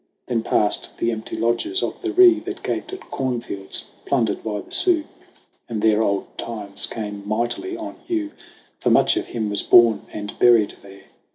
Then past the empty lodges of the Ree That gaped at cornfields plundered by the Sioux; And there old times came mightily on Hugh, For much of him was born and buried there.